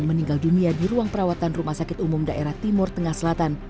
meninggal dunia di ruang perawatan rumah sakit umum daerah timur tengah selatan